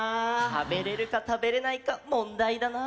食べれるか食べれないかもんだいだな。